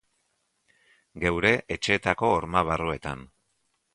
Geure etxeetako horma-barruetan.